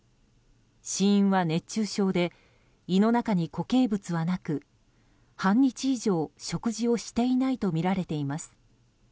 死因は熱中症で胃の中に固形物はなく半日以上、食事をしていないとみられています。